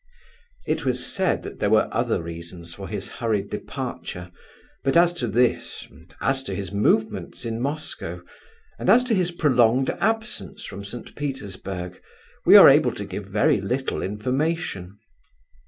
It was said that there were other reasons for his hurried departure; but as to this, and as to his movements in Moscow, and as to his prolonged absence from St. Petersburg, we are able to give very little information.